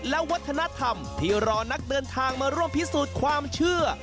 และวัฒนธรรมที่รอนักเดินทางมาร่วมพิสูจน์ความเชื่อ